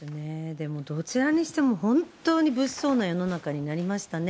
でもどちらにしても、本当に物騒な世の中になりましたね。